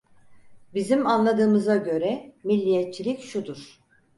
Bizim anladığımıza göre, milliyetçilik şudur: